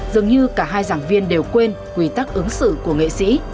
dường như cả hai giảng viên đều quên quy tắc ứng xử của nghệ sĩ